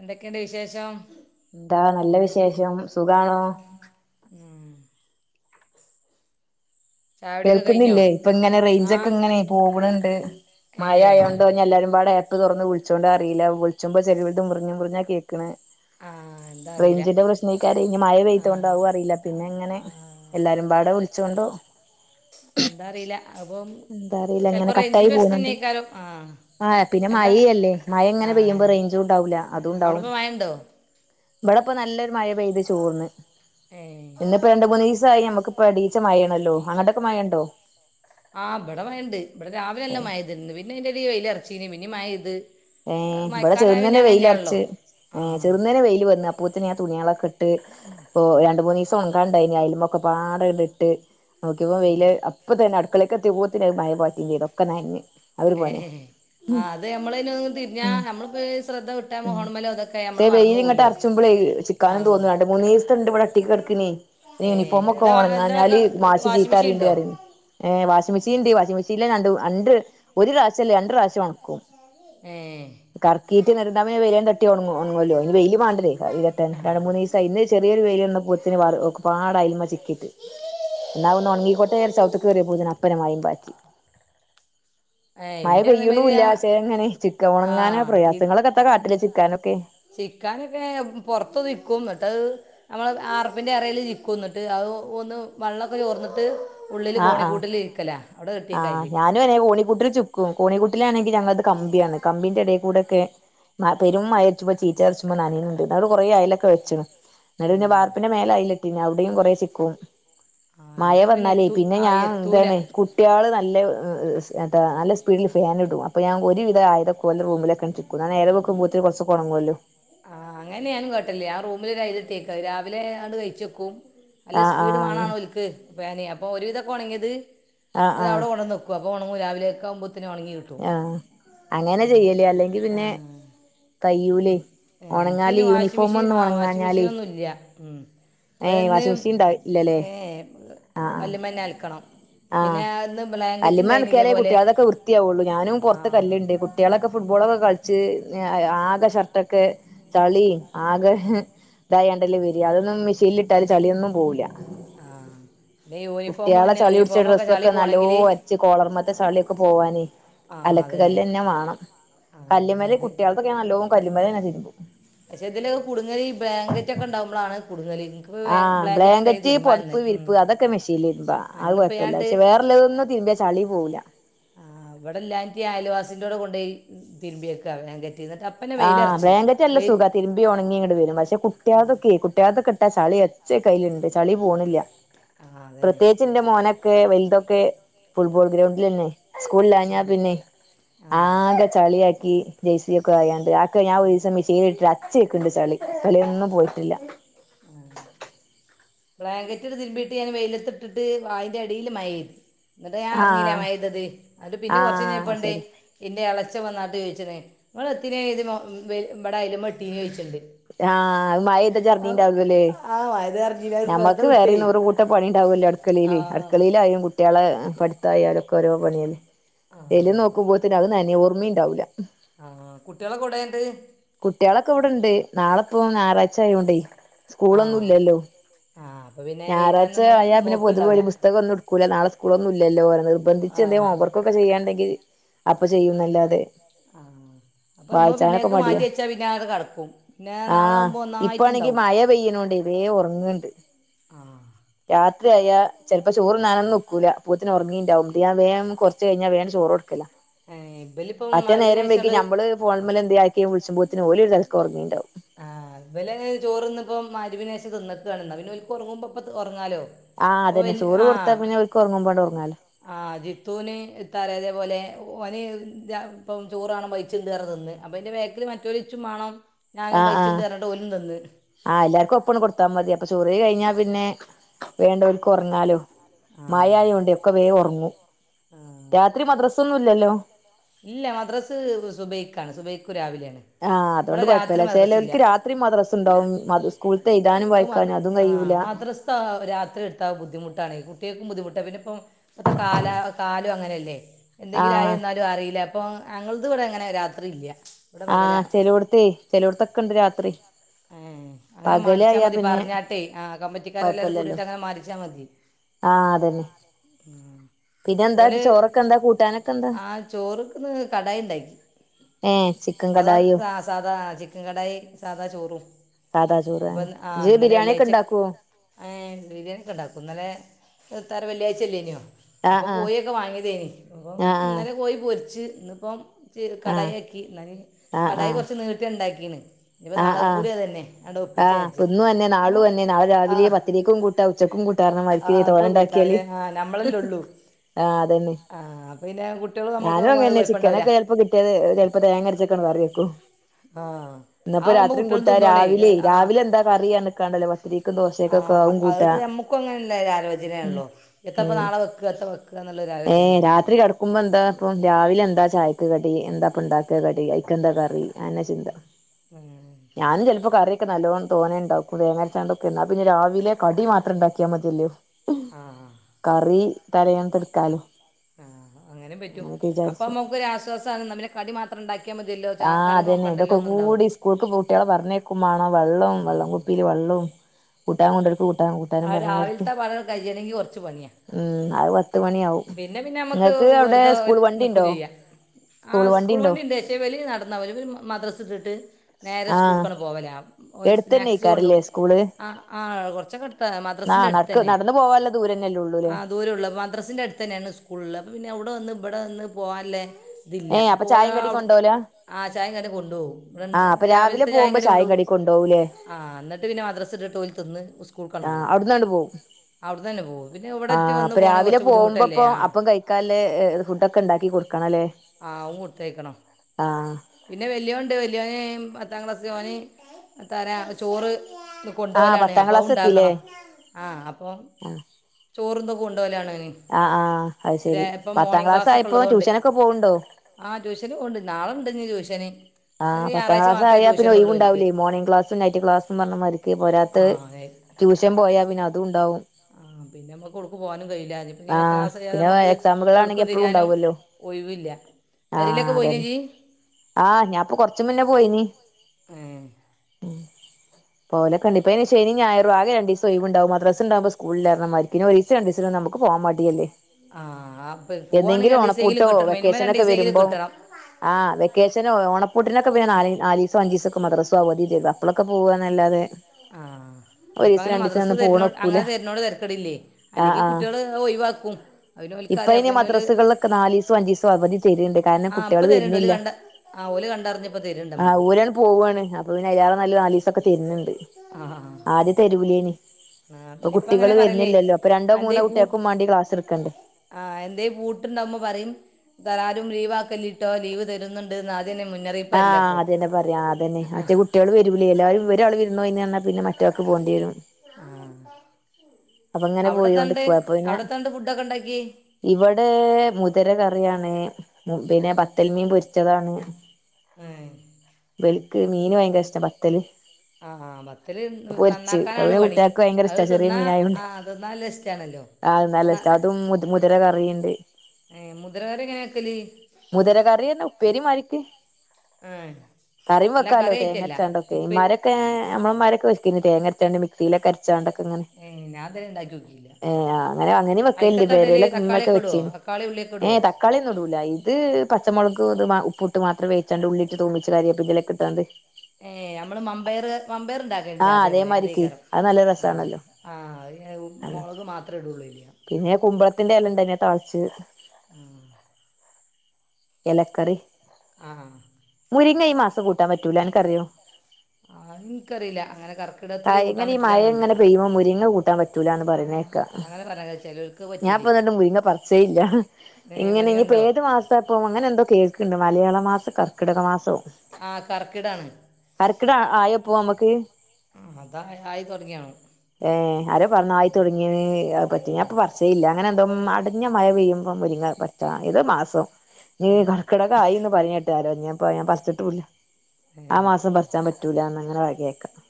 എന്തൊക്കെയുണ്ട് വിശേഷം എന്താ നല്ല വിശേഷം സുഖാണോ ഉ [unintelligible] കേൾക്കുന്നില്ലേ ഇപ്പൊ ഇങ്ങനെ ആ റേഞ്ച്ൊക്കെ ഇങ്ങനെ പോകണണ്ട് ഏ മഴയതോണ്ടോ പറഞ്ഞ എല്ലാരും പാടെ [unintelligible] തുറന്ന് വിളിച്ചുകോണ്ട് അറിയില്ല വിളിച്ചുമ്പോ ചെവളും മുറിഞ്ഞഞ് മുറിഞ്ഞാ കേൾക്കണ് ആ എന്താ അറിയില്ല റഞ്ചിന്റെ പ്രശ്നേക്കാര് ഇനി മഴ പെയ്തോണ്ടാവും അറിയില്ല പിന്നെ എങ്ങനെ ആ എല്ലാരും പാടെ വിളിച്ചോൊണ്ടോ എന്താ അറിയില്ല അ എന്താ അറിയില്ല എങ്ങനെ കട്ടായി പോണണ്ട് തന്നെയായിക്കാരം ആ ആ പിന്നെ എന്താ മഴയല്ലേ മഴ ആ എങ്ങനെ പെയ്യുമ്പോ റേഞ്ചും ഉണ്ടാവൂില്ല അതും ഉണ്ടാവും [unintelligible] ഇവിടെ ഇപ്പ നല്ലൊരു മഴ പെയ്ത് ചോർന്ന് ഏ ഇപ്പ രണ്ട മൂന്ന് ദിവസയി നമുക്ക്പ്പപ്പോ അടീച്ച മഴണല്ലോങ്ങട്ടൊക്കെ മഴ ഉണ്ടോ ആ് ഇവിടെ മയണ്ട് ഇവിടെ ഏ രാവിലെല്ല മയത് ഇന്ന് പിന്നെ എന്റെറെ വലിയ ഇറച്ചീന പിന്നെ മഴത് ഏ ഇവിടെ ചെറു തന്നെ വെയില അറച്ച് ഏ ആ ചെറു തന്നെ വെയിയില് വന്നു പ്പൂത്തിന ഞാ തുണികളൊക്കെ ഇട്ട് ഇപ്പോൾ രണ്ട മൂന്ന് ദിവസം ഉണങ്ങാണ്ട അനി മൊക്കെ പാട ഇടി ഇട്ട് നോക്കിപ്പ വെയിലയില് അപ്പ തന്നെ അടുക്കളൊക്കെ തിൂത്തിന മയപാറ്റം ചെയ്തൊക്കെ നനഞ്ഞ് അതൊരു ഏ പണിയാ ആ അത് നമ്മളയൻ ഞാ ഞമ്മള്പ്പ ഇ ശ്രദ്ധ വിട്ടാ ഹോണ്മ്ല് അതൊക്കെ ഞമ്മള് പക്ഷെ മർന്നോവല്ലോ ആഹ മുനീസംണ്ട് വ്ടട്ടിക്കട്ക്ക്ണേ നെ ഏ യൂനിഫോമൊക്കെ എന്താ എന്താ ഒങ്ങാഞാല് മാശ് വാഷിംഗ് മെഷീൻ ഉണ്ടോ ചീത്തറീണ്ട്അറിം. ഏ് വാഷിമിഷീണ്ട് വാഷിമെഷീലെനെ അണ്ട് അണ്ട് ഒരു റാശ്യല്ലേ രണ്ട്റാശ്യം ഒണക്കും. ഏ കർക്കീറ്റ് നരന്താവ വെല്തട്ടി ഒണ്ങ്ങോ [unintelligible] ഇ ആ രണ്ട് മൂന്ന് ത ഇന്ന്ചെറിയൊരു വെയിലന്നപോത്തിന് വർ ഒക്ക്പാട അയില്മ്മ ചിക്കിട്ട്. ന്നാഒന്ന് ഒൺങ്ങിക്കോട്ടെയാർച്ച് ഔത്ത്ക്ക്കേറിയപോത്തിന് അപ്പനെ മയിം പാറ്റി. ഏ മഴ ഇന്റെ അതേമാതിരി പെയ്യ്ണൂല ക്ഷെ ങ്ങനെ ചിക്ക ആ ഒണങ്ങാന പ്രയാസ ഈ ങ്ങളൊക്കെ എത്താ കാട്ടല് ചിക്കാനൊക്കെ. ചിക്കാനൊക്കെ പൊർത്ത് നിക്കും എത്തത്. അമ്മള് ആർപ്പിന്റെ എറയില് ച്ചിക്കുന്നട്ട് അഹ് ഒന്ന് വള്ളൊക്ക ചോർന്നിട്ട് ഉള്ളില് കോണിക്കൂട്ടിൽ ഇക്കല ആഹ്ഞാനും എന്നെ ഓണിക്കൂട്ടി ചു ക്കും കോണിക്കുട്ടിലാണെങ്കിൽ ഞങ്ങളത് കമ്പിയാണ് കമ്പിന്റെ എടെ കൂടെക്കെ മ പെരും മയത്ത് ചീറ്റർച്ചുമ്പം നനയ്ണ്ട് നാത് കൊറെ ആയലൊക്കെ വെച്ണ്. ന്നെലെ പ്ന്നെ ബാർപ്പ്ന്റെ മേല അയില്ലട്ടിഞാ അവ്ടിം കൊറേ ച്ചിക്കും. ആ മയ ഇൻ്റെ അങ്ങനെ വന്നാലേ എത്തു പിന്നെ ആ ഞാൻ എത്തൂല എന്താണ് ക്കു കുട്ടെള് നല്ല എത്താ നല്ല സ്പീഡിൽ ഫാനിടും അപ്പഞാ ഒരുവിധ ആയതൊ ഓലറൂമിലേകണ്ട് കുനാ നേരം വെക്കുമ്പോത്തിന് കൊർ ചൊകൊൺങ്ങല്ലോ. ആഹ് അങ്ങനെ ഞാനും കാട്ടല് ആ റൂമിലൊരുഅയലെട്ടിയക്കാ രാവിലെ ആണ്ട് കയിച്ചെക്കും അല്ല ആഹ് സ്പീഡ് ആഹ് അങ്ങനെ മാണാണോൽക്ക് ഫേന് അപ്പൊ ഒരുവിധൊക്കെ ഒൺങ്ങിയത് ആഹ് ത് അവ്ടെ ആഹ് കൊൺനോ കുപ്പഒൺങ്ങു രാവിലെക്കെമ്പോത്ത്ന് ഒൺങ്ങി ആഹ അങ്ങനെ ചെയ്യല് അല്ലെങ്കി പിന്നെ ഏ കയ്യൂലേ ഇൻക്ക് ഉണങ്ങാല് വിന്നെ യൂണിഫോം ഒന്നും വാഷിമിഷീനാ വാഷിമിഷീനൊന്നുല്ല ഉം ഏ അപ്പോൾ ഇന്ന് വാഷിമിഷീൻണ്ടല്ലല്ലേ ഏഹ് ആഹ കല്ലുമ്മന്നെ അലക്കണം പിന്നെ ആഹ് ഇന്ന് ബ്ലാങ്കറ്റ് കല്ല്മ്മ ഉണ്ടായിന് അൽക്കിയാലേ ഇതേപോലെ കുട്ട്യേതൊക്കെ വൃത്തിയാവുള്ളൂ ഞാനും പൊർത്ത് ആഹ് കല്ല്ണ്ട് കു കുട്ട്യേളക്കെ ഫുട്ബോളൊക്കെ കൾച്ച് ആക ഷർട്ടൊക്കെ ചളി ആകെ ഹ് ഇതായാണ്ടല്ലേ വെര അതൊന്നും മിഷീല്ട്ടാല് ചളിയൊന്നും പോവൂല്ല. ആഹ് പിന്നെ യൂണിഫോമും കുട്ട്യെള തന്നെ ചളിഉട്ച്ച യൂണിഫോമൊക്കെ ചളി ഡ്രെസ്സൊക്കെ നലോ പോകണമെങ്കിൽ ഒര്ച്ച് കോളർമത്തെ ചളിയൊക്കെ പോവാന് ആഹ് അലക്ക് അതന്നെ കല്ലെന്ന മാണം ആഹ് കല്ല്മല് ഇത് കുട്ട്യെള്തൊക്കൊ ഞ നല്ലോ കല്ലുമെലെന്നെ തിര്ബും ക്ഷെ ഇതിലൊ കുട്ങ്ങല് ഈ ബളാങ്കറ്റ ക്കെണ്ടാവുമ്പോളാണ് കുടുങ്ങല് ആഹ് ഉണ്ടായി ബ്ലാങ്കറ്റ് തിരുമ്പാനിന്ന് പൊത്പ്പ് ഉം വിരിപ്പ് അതൊക്കെ മെഷീലിര്മ്പ ആഹ് അത് ഇന്നിപ്പോ കൊഴ്പ്പല്ല ഞാനിട്ട് ക്ഷെ വേറെള്ളന്നു തിര്മ്പിയാ ചളി പോവുല്ല ആ ഇവ്ടെല്ലാറ്റീഞ അയൽവാസിന്റോടെ കൊണ്ടെയ് തിര്മ്പിയക്ക വാങ്കറ്റ് ന്ട്ടാ ആ ബ്ളാങ്കറ്റല്ല സുഖ തിര്മ്പി ഒൺങ്ങി ഇങ്ങട്ട് വരും പക്ഷെ ആഹ് കുട്ട്യേതൊക്കെ കുട്ട്യേതൊക്കട്ടാ ചളി ചേ കയില്ണ്ട് ചളി പോണ്ല്ല ആ അതന്നെ ച്ചിന്റെ മോനൊക്കെ വെൽതൊക്കെ ഫുട്ബോൾ ഗ്രൗണ്ടിലെന്നെ സ്കൂളിലാഞ്ഞാ പിന്നെ ആഹ് ആകെ ചളിയാക്കി ജെയ്സി ഒക്കെ ആയാണ്ട് ക്കെ ഞാൻ ഒരിസം മെഷീലിട്ട് അച്ചേക്ക്ണ്ട് ചളി ചളിയൊന്നും പോയിട്ടില്ല ആഹ ബ്ലാങ്കറ്റ് തിര്മ്പിട്ട് ഞാ വെയിലത്തിട്ടിട്ട് അയിന്റെ ടെല് മയയ്ത് ന്നട്ട് ഞാ അറ്ഞ്ഞില ആഹ് മയെയ്തത് അട്ട് പിന്നെ ആഹ് കൊർച്ചയ്ഞ്ഞപ്പണ്ട് ശരി ഇൻ്റെ എളച്ചം വന്നാട്ട് ചോയിച്ച്ണ് ങ്ങള് എത്തിനെ ഇത് മൊ വെ വെട അയ്ല്മട്ടീനെച്ച്ണ്ട് ആ മയെയ്ത ജ്അറിഞ്ഞിണ്ടാകുലേ ആ മയ്തഅർ ഞമ്മക്ക് വേറിം നൂറ് കൂട്ടം പണി ണ്ടാവല്ലോ ആ അട്ക്കളെല് അട്ക്കളെലായും കുട്ട്യെളെ പട് ത്തായാലുക്കെ ഓരോ പണിയല്ലേ ആ എലി നോക്കുമ്പോഴത്തേന ഓർമ്മയുണ്ടാവൂല്ല ആഹ് കുട്ട്യാളൊക്കെ എവിടെ ങ്ങട്ട് കുട്ട്യാളൊക്കെ ഇവിടെണ്ട് നാളെപ്പോ ഞായറാഴ്ച്ച ആയോണ്ടേ സ്കൂളൊന്നും ഇല്ലല്ലോ ആപ്പാ വരും. ഞായറാഴ്ചയാൽ പിന്നെ പൊതുവഴി പുസ്തകം ഒന്ന് എടുക്കൂല നാളെ സ്കൂളോന്നുലല്ലോ ആ നിർബന്ധിച്ച് എന്തോ ഹോംവർക്ക് [unintelligible] ചെയ്യാണ്ടെങ്കിൽ അപ്പോ ചെയ്യും അല്ലാതെ. ആഹ്, അപ്പോ ഇമ്മ പിന്നേക്ക് മടിയാ മാറ്റി വെച്ചാ പിന്നെ അത് അങ്ങനെ കടക്കും. ആഹ് ഇപ്പോങ്കി മഴ പെയ്‌ണോണ്ട് വേങ് ഉറങ്ങണ്ട്. ആഹ് രാത്രിയാൽ ചെൽപോ ചോറുണ്ണാൻ ഒന്നും നികുല അപോത്തിന് ഉറങ്ങിയിണ്ടാവും എന്നിട് ഞാൻ വേഗം കൊർച് കയിഞ്ഞാ വേഗം ചോറ് കൊടുക്കലാ. ഏഹ് ഇബലിപ്പം പറ്റേ നേരം വൈകി മഗ്‌രിബിനേശാണ്ട് നമ്മള് ഫോൺ മേല് എന്തേലും ആക്കി വിളിച്ചുമ്പോത്തിന് ഓല് ഉറങ്ങിണ്ടാവും. ആഹ്, ഇബല് ചോർന്ന് ഇപ്പോ മഹ്‌രിബിന് ശേഷം ‌ തിന്നിക്കാണ് എന്നാ പിന്നെ ഓല്ക് ഉറങ്ങുബോ ഇപ്പോ ഒറങ്ങാല്ലോ. ആഹ് അതെന്നെ ചോറ് കൊടുത്താ പിന്നെ ഓല്ക് പിന്നെ ഒറങ്ങുബോ ഒറങ്ങാല്ലോ. ആ, ജിത്തുന് ഇത്താറ ഇതേപോലെ ഓന് ഇപ്പം ചോർ വാണം പെയ്ച്ചുണുണ്ട് എന്ന് പറഞ്ഞ് തിന്ന്. അപ്പോ എൻ്റെ ബേകില് മറ്റൊലും ഇച്ചും മാണം ഞാനും ആഹ് പൈചിണ്ട് ആഹ് പറഞ്ഞിട്ട് ഓലും തിന്ന്. ആഹ്, എല്ലാർക്കും ഒപ്പാണ് കൊടുത്താ മതി അപ്പോ ചോർ വെയി കഴിഞ്ഞാ പിന്നെ വേണ്ടവർക്ക് ഒറങ്ങാല്ലോ. ആഹ് മായായൊണ്ട് ഒക്കെ വെങ്ങ് ഒറങ്ങും ആഹ് രാത്രി മദ്രസാന്നും ഇല്ലല്ലോ. ഇല്ല മദ്രസ് സുബൈക്കാണ്, സുബൈക്ക് രാവിലെയാണ്. ആഹ്, അതോണ്ട് ഇവിടെ രാത്രി കൊയപ്പല്ല ചേലോൽക്ക് മദ്രസില്ല രാത്രി മദ്രസ് ഇണ്ടാവും മദ്ര സ്കൂൾത്തെ എഴുതാനും വായിക്കാനും അതും കഴിയൂല്ല. ഇപ്പോ രാത്രി എടുത്ത ബുദ്ധിമുട്ടാണ് കുട്ട്യാൽകും ബുദ്ധിമുട്ട പിന്നെ ഇപ്പോ ഇപ്പത്തെ കാലാ കാല ഇതും അങ്ങനെല്ലേ എന്തെങ്കിലും ആയി ആഹ് വന്നാലും അറിയില്ല ഇപ്പോ, ഞങ്ങളത് ഇവിടെ അങ്ങനെ രാത്രി ഇല്ല. ഇവിടെ ആഹ് പകലാണ് ചേലോടതയെ ചേലോടത് ഒക്കെ ഇണ്ട് രാത്രി പകല് ച്ചാമതി, പറഞ്ഞാട്ടെ ആഹ് കമ്മറ്റിക്കാര് എല്ലാരും കൊഴപ്പല്ലല്ലോ കുടിയിട്ട് അങ്ങനെ മാറ്റിച്ചാമതി. ആഹ് അതന്നെ ഉം പിന്നെ എന്താ ഓല് ചോറൊക്കെ എന്താ കൂട്ടാനൊക്കെ എന്താ ആ ചോറ്ക്ക് ഇന്ന് കടയിണ്ടാക്കി. ഏച്ച് അത് ആ സാദാ ചിക്കൻകടയി സാദാചോറും. സാദാചോറ് ആ ഇജ്ജ് ബിരിയാണിയൊക്കെ വെള്ളിയാഴ്ച ഇണ്ടാക്കോ. ഏ ബിരിയാണിക്കെ ഇണ്ടാക്കും ഇന്നലെ [unintelligible] വെള്ളിയായ്ച്ചല്ലേന്നോ അപ്പോ ആഹ് ആഹ് കോഴിയൊക്കെ വാങ്ങിയേത്തിന് ഇപ്പോം ആഹ് ഇന്നലെ കോഴി പൊരിച്ച് ഇന്ന് ഇപ്പോ. ആഹ് ചിരുക്കടയിക്കി ഇന്നാനി ആഹ് കടായി ആഹ് കൊറച്ച് നീട്ടി ഇണ്ടാക്കീന് ഇനിപ്പോ ആഹ് നാളെ ആഹ് കൂടെ അതെന്നെ ആടോ ആഹ് ഇന്നും അതെന്നെ നാളുയാന്നെ നാളെ ആ രാവിലിം പത്തിരിക്കും കൂട്ടം ഉച്ചക്കും കുട്ടാ എന്ന് പറഞ്ഞമാരിക്ക് ഇനി തോനാണ്ടാക്കി രാവിലെ ആഹ് നമ്മളാലേള്ളു ആഹ് അതന്നെ ആഹ് പിന്നെ കുട്ടോള് നമ്മക്ക് അത് കൊഴപ്പണ്ടാവില്ല. പിറ്റേത് ചെൽപോ തേങ്ങരച്ചക്കാണ് കറി വെക്കും. ആഹ് ഇന്നപ്പോ അതാവുമ്പോ രാത്രിയും കുട്ടേള് കൂട്ടാ തിന്നോളോ ഏ രാവിലെ ആ രാവിലെ എന്താ കറിയർഞ്ഞ്ക്കാണ്ടല്ലോ പത്തിരിക്കും ദോശക്കൊക്കെ ആഹ് ആ അതും അത് കൂട്ടാ ഇപ്പോ നമുക്കും അങ്ങനെയുള്ള ആലോചനയാണല്ലോ. ഏത്തപ്പോ ഉം നാളെ വെക്ക ഏത്ത വെക്ക എന്നൊരു ആലോചനയില ഏഹ് രാത്രി കടക്കുബോ എന്താപ്പോ രാവിലെ എന്താ ചായക്കടി എന്താപ്പോ ഇണ്ടാക്ക കറി ആയിക്കെന്താ കറി. അയന്നെ ചിന്ത ഉം. ഞാനും ചെൽപോ കറി അതൊക്കെ നല്ലോണം തോനെ ഇണ്ടാക്കും തേങ്ങരച്ചാണ്ട് എന്ന പിന്നെ രാവിലെ കടി മാത്രം ഇണ്ടാക്കിയമതില്ലോ. ആഹ് ആഹ് കറി തലേന്നത്തെ ഇടുക്കാന്. ആഹ് അങ്ങനെ പറ്റും അപ്പോ നമക്കൊരു അശോഷണ് ഇന്നാപ്പിന്നെ കടി മാത്ര മാത്രം ഇണ്ടാക്കിയാൽമതിയല്ലോ ചാർ, കറി നോക്കണ്ടല്ലോന്നുണ്ടാവും. സ്കൂക്ക് കുട്ട്യാളെ പറഞ്ഞയകും മാണം വെള്ളോം ആ വെള്ളകുപ്പില് വെള്ളോം. ആ രാവിൽത്തെ പട കഴിണെങ്കിൽ കൊറച്ച് പണിയാ. ഉം അത് പത്ത് മണിയാവും പിന്നെ പിന്നെ നമ്മക്ക് നിങ്ങൾക്ക് അവിടെ വേർതെ സ്കൂൾ വണ്ടി നിക്കും ഉണ്ടോ ചെയ്യാം. ആ വണ്ടി സ്കൂൾ ഉണ്ടോ വണ്ടിണ്ട് ക്ഷേ ഇവല് നടന്ന പോവല് ഇവല് മദ്രസട്ടിട്ട്. നേരെ ആഹ് സ്കൂൾക്കാണ് പോവാല ഓല് എടുത്തന്നെ സ്നാക്സ് ഇക്കാരല്ലേ കൊണ്ടോവും. സ്കൂള് ആഹ് ആഹ് കൊറച്ചൊക്കെ അടുത്താ മദ്രസന്റെ ആഹ് നടക്ക് അടുത്തെന്നെ നടന്നു പോവാനുള്ള ദൂരന്നെല്ലേ ഉള്ളൂല്ലേ ആ ദൂരോള്ളു മദ്രസന്റെ അടുത്തെന്നെയാണ് സ്കൂളില്ലേ അപ്പോ പിന്നെ അവിടെ വന്ന് ഇബടെവന്ന് പോവല്ലേ. ഇതില്ല ഏഹ് അപ്പ് അപ്പൊ പോയാ ചായയും കടിയും അവിട് കൊണ്ടോവലാ ആ ചായകടി കൊണ്ടുവു ഇവിടെണ്ട് ആഹ് അപ്പൊ രാവിലെ രാവിൽത്തെ ചായ പോകുമ്പോ കടി ചായയും കൊണ്ടോവും കൊണ്ടോവൂലേ ആ ന്നിട്ട് പിന്നെ മദ്രസട്ടിട്ട് ഓല് തിന്ന് ഉസ് സ്കൂൾക്കട്ന്ന് ആഹ് പോം അവിടന്നാണ്ട് പോവും അവിടെന്നെ പോവും പിന്നെ ഇവിടെന്ന് പോകണെങ്കിൽ കൊർച്ച് ബുദ്ധിമുട്ടല്ലേ ആ കാലേ ഫുഡൊക്കെ ഇണ്ടാക്കി കൊടുക്കണല്ലേ ആ അഹു കൊടുത്തയക്കണം ആഹ് പിന്നെ വല്യോയോൻണ്ട് വല്യോന് പത്താംക്ലാസ് ഓന് ഏതാര ചോറ് ആഹ് കൊണ്ടൊലാണ് പത്താം അപ്പ അഹു ക്ലാസ് എത്തില്ലേ ഇണ്ടാക്കണം ആ അപ്പം ചോരും ഇതും കൊണ്ടുവലാണ് ആ ആ അശെരി പത്താക്ലാസ് ക്ലാസ്സൊക്കെ ആയപ്പോ ഉള്ളതുകൊണ്ട് ട്യൂഷനൊക്കെ പോവുണ്ടോ ആ ട്യൂഷന് പോണ്ട് നാളെ ഇണ്ടുന്നു ട്യൂഷന് ആ ഈ ഞായറാഴ്ച പത്താക്ലാസ് മാത്രമേ ആയാപിന്നെ ട്യൂഷനുള്ളൂ ഇവർക്ക് ഒഴവുണ്ടാവിലെ മോർണിംഗ് ക്ലാസും നൈറ്റ് ക്ലാസും പറഞ്ഞ മയിരിക്ക് പോരാതത് [unintelligible] [inaudible] ട്യൂഷൻ പോയാ പിന്നെ അതുണ്ടാവും ആ പിന്നെ നമ്മക്ക് എടുക്കും പോവാനും കയില്ല ഇനിപ്പോ ആഹ് പത്തക്ലാസ് കയാതെ പിന്നെ നമുക്ക് എക്സാമുകളാണെങ്കി എവിടുക്കും എപ്പളും തിറിയാനും ഉണ്ടാവല്ലോ ഒയിവില്ല ആഹ് പെരയിലൊക്കെ അതന്നെ പോയിനോജി ആഹ് ഞാനിപ്പൊ കൊറച് മുന്നേ പോയിന് ഏഹ് [unintelligible] പോലകെണ്ടു ഇപ്പയ്ന് ശനി ഞായറും ആകെ രണ്ടീസം ഒഴിവ്ണ്ടാവും മദ്രസ്സണ്ടാവുമ്പം സ്കൂളില്ലാർഞ മാരി പിന്നെ ഒരീസ രണ്ടീസം നമ്മക്ക് പോവാൻ മടിയല്ലേ ആ അ പോവാണെങ്കി എന്നെങ്കിലും രണ്ടീസങ്കെലും ഓണപ്പൂട്ടോ കിട്ട മിനിമം രണ്ടീസങ്കിലും കിട്ടണം ആ വെക്കേഷന് ഓണപു ട്ടിനോകെ നാലീസോ അഞ്ചീസൊക്കെ മദ്രാസോവധി തരുവ അപ്പളൊക്കെ പോവാന്നല്ലാതെ ഇപ്പ ഒരീസം അങ്ങനെ മദ്രസ് രണ്ടീസൊന്നും തെരണ പോണൊക്കൂല അങ്ങനെ തെരന്നോണ്ട് തെരക്കേടില്ലേ ആഹ് അല്ലെങ്കിൽ ആഹ് കുട്ടോള് ഒയിവാക്കും അഹ് പിന്നെ ഓൾക്ക് അറിയ [unintelligible] നാലീസോ അഞ്ചീസോ അവധി തരുണ്ട് ആഹ് ഇപ്പം തരണ്ട് ഓല് കണ്ട ആ ഓല് കണ്ടറിഞ്ഞ ആഹ് ഓലണ് പോവണ് അപ്പൊ പിന്നെ അയ്ലേറെ നല്ലത് നാലീസം തൊക്കെ തരുന്നുണ്ട് ആഹ് ആഹ് ആദ്യം തെരൂലയ്നിം ആഹ് ഇപ്പൊ ഇപ്പം അങ്ങനെ കുട്ടികള് പറയല് വരുന്നില്ലല്ലോ അപ്പൊ രണ്ടോ മൂന്നോ കുട്ടിയാക്കും വേണ്ടി ക്ലാസ് എടുക്കണ്ടെ ആഹ് എന്തേ പൂട്ടുണ്ടാവുമ്പം പറിം ത ആരും ലീവ് ആക്കല്ലിട്ടോ ലീവ് തരുന്നുണ്ട് [unintelligible] മുന്നറി ആഹ് അതന്നെ പറയ ആ അതെ [unintelligible] കുട്ട്യാള് വരൂല്ലേ എല്ലാരും ഒരാള് വിരുന്നു പോയിന്ന് പറഞ്ഞാ പിന്നെ മറ്റാൾക്ക് പോണ്ടി വരും ആഹ് അപ്പൊ അങ്ങനെ അവിടെത്താണ്ട് പോയോണ്ട്ക്കുവാ അപ്പൊ പിന്നെ അവിടെത്താണ്ട് ഫുഡൊക്കെ ഉണ്ടാക്കി ഇവിടെ മുതിര കറിയാണ് പിന്നെ പത്തൽമീൻ പൊരിച്ചതാണ് ഉമ്മ് ഇവൽക്ക് മീന് ഭയങ്കര ഇഷ്ട പത്തല് ആ ആ പത്തൽ അത് നന്നാക്കാനാണ് പിന്നെ പണി കുട്ടികൾക്ക് ഭയങ്കര അത് ഇഷ്ടാ തിന്നാ ആ തിന്നാൻ നല്ല ഇഷ്ടാണല്ലോ ആത് നല്ല ഇഷ്ട അതും മു മുതിര കറിയുണ്ട് ഏഹ് മുതിരകറി എങ്ങനെ വെക്കല്? മുതിര കറിയന്നെ ഉപ്പേരി മാരിക്ക് എഹ് കറിം വെക്കാലോ തേങ്ങരച്ചാ ണ്ടൊക്കെ ഇമ്മാരൊക്കെ നമ്മളെ മ്മാരൊക്കെ വെക്കയ്നിം തേങ്ങരച്ചാണ്ട് മിക്സിലൊക്കെരച്ച് വച്ചാണ്ടക്കെ ഇങ്ങനെ ഏ ഞാൻ തന്നെ ഉണ്ടാക്കി നോക്കിയില്ല ഏ അങ്ങനെ അങ്ങനെ വെക്കലുണ്ട് പെരേല് ഇമ്മൊക്കെ വെച്ചീനിം ക്കാളി ഉള്ളി ഒക്കെടോ? ക്കാളിയൊന്നിടൂല ഇത് പച്ചമുളക് ത് ഉപ്പ ഇട്ട് മാത്രേ വേച്ചിച്ചാണ്ട് ഉള്ളിട്ട് തൂമി ച്ച് കറിവേപ്പിന്റെ എലക്കെ ഇട്ട്ങ്ങാണ്ട് ഏ നമ്മള് മമ്പയറ് മമ്പയർണ്ടാക്ക ണ്ട് ആഹ് അതേപോലെ അതേമാതിരിക്ക് അതയ്ക്കാരം അത് നല്ല ആഹ് രസാണല്ലോ ആ അങ്ങനെ മൊളക് മാത്ര ഇടുള്ളൂ അയ്ല് ഞാൻ പിന്നെ കുമ്പളത്തിന്റെ എലണ്ടയ്നിം അത് താളിച്ച് ആഹ് എലകറി ആണോ മുരിങ്ങ ഈ മാസം കൂട്ടാൻ പറ്റൂല അനക്ക് അറിയുവോ? ആഹ് എനിക്ക് അറിയില്ല അങ്ങനെ കറ താ ഇങ്ങനെ ഈ മഴ ഇങ്ങനെ പെയ്യുമ്പോ മുരിങ്ങ കൂട്ടാൻ പറ്റുല്ലെന്ന് ആ പറയുന്നേ കേൾക്കാം അങ്ങനെ പറഞ്ഞ ചിലർക്ക് ഞാൻ പറ്റൂലേ ഇപ്പം ഇതുകൊണ്ട് മുരിങ്ങ പറിച്ചെയില്ല ഏ, ഇങ്ങനെ ഇനി മുരിങ്ങണ്ടോ ഏത് മാസം പ്പം അപ്പൊ അങ്ങനെ എന്തോ കേൾക്കുന്നുണ്ട് മലയാള മാസോ കർക്കിടക മാസോ ആ കർക്കിടാണ് കർക്കിടകം ആയോ അപ്പോ നമ്മക്ക് ആ അതാ ആയി തുടങ്ങിയാണ് ഏഹ് ആരോ പറഞ്ഞു ആയിത്തൊടങ്ങിന്ന് പറ്റി ഞാൻ ഇപ്പം പറി ചെയില്ല അങ്ങനെ എന്തോ അടഞ്ഞ മഴ പെയ്യുമ്പം മുരിങ്ങ പച്ച ഏതോ മാസം ആ ഏഹ് കർക്കിടക ത് ആയിന്ന് പറയണേ കേട്ട് ആരോ ഇനിയിപ്പം ഞാൻ പറിച്ചിട്ടൂല്ല ഏ ആ മാസം പറിച്ചാൻ പറ്റൂല എന്ന് അങ്ങനെ [unintelligible]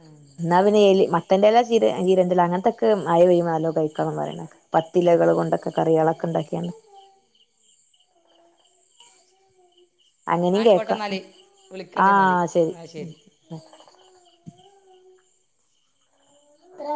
ആ എന്നാ പിന്നെ എലി മത്തന്റെ ഇല ചിരെ ചിരെന്റെ ഇല അങ്ങനത്തെക്കെ മയ പെയ്യുമ്പം നല്ലോം കഴിക്കണം എന്നാ പറയണേ ആ പത്തിലകള് കൊണ്ട് കറികളൊക്കെ തന്നെയാ എന്നാൽ അങ്ങനിം ആയിക്കോട്ടെ കേക്കാം എന്നാൽ വിളിക്കണ്ട് എന്നാൽ ആഹ് ശരി എന്നാൽ ഉം